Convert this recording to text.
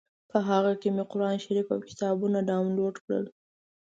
په هغه کې مې قران شریف او کتابونه ډاونلوډ کړل.